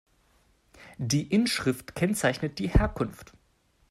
Die Inschrift kennzeichnet die Herkunft.